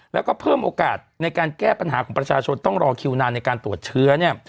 แล้วก็เพิ่มโอกาสในการแก้ปัญหาของประชาชนต้องรอคิวนานในการตรวจเชื้อเนี่ย